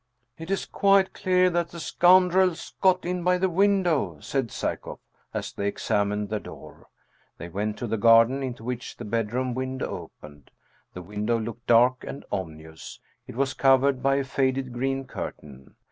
" It is quite clear that the scoundrels got in by the win dow !" said Psyekoff as they examined the door. They went to the garden, into which the bedroom win dow opened. The window looked dark and ominous. It was covered by a faded green curtain.